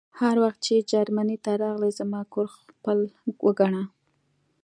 هر وخت چې جرمني ته راغلې زما کور خپل وګڼه